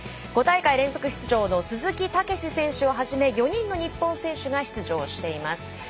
５大会連続出場の鈴木猛史選手をはじめ４人の日本選手が出場しています。